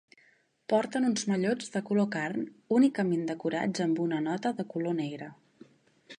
Porten uns mallots de color carn únicament decorats amb una nota de color negre.